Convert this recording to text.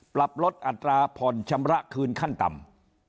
ปรับลดอัตราผ่อนชำระคืนขั้นต่ำ